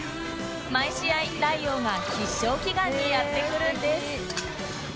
毎試合ライオーが必勝祈願にやって来るんです